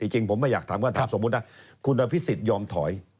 จริงผมไม่อยากถามว่าสมมุติว่าคุณพิสิทธิ์ยอมถอย